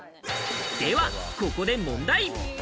ではここで問題。